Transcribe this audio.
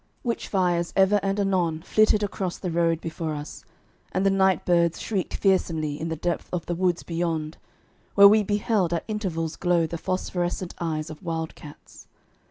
Witch fires ever and anon flitted across the road before us, and the night birds shrieked fearsomely in the depth of the woods beyond, where we beheld at intervals glow the phosphorescent eyes of wild cats.